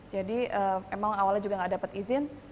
jadi emang awalnya juga gak dapat izin